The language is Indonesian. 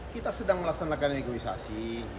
kita sedang melaksanakan negosiasi